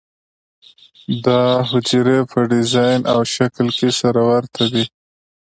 دا حجرې په ډیزاین او شکل کې سره ورته دي.